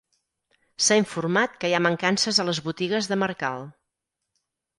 S'ha informat que hi ha mancances a les botigues de Mercal.